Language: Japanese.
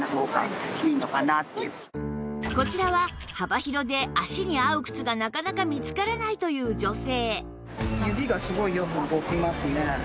こちらは幅広で足に合う靴がなかなか見つからないという女性